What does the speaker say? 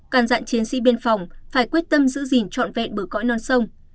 cản dạng chiến sĩ biên phòng phải quyết tâm giữ gìn trọn vẹn bờ cõi non sông